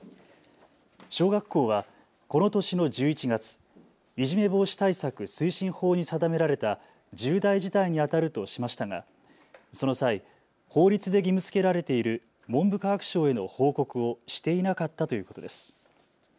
小学校はこの年の１１月、いじめ防止対策推進法に定められた重大事態にあたるとしましたがその際、法律で義務づけられている文部科学省への報告をしていなかったということです。